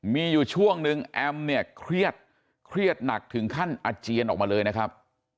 มีอยู่ช่วงนึงแอมเนี่ยเครียดเครียดหนักถึงขั้นอาเจียนออกมาเลยนะครับ